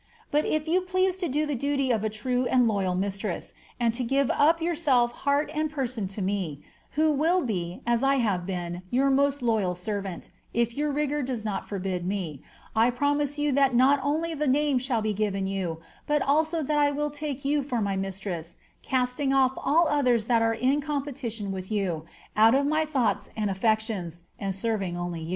But if fou please to do the duty of a true and loyal mijitreMf and to give up yourself heart and person to me, who will be, as I have been, your most loyni •errant (if your rigour does not forbid me), I promise yon that not only the nme shall be given 3rou, but also that I will take you fbt my mistress, easting off all others that are in oompetkioa with you, oat of my thouc^tt and alTeotions, ■nd sehring yoa only.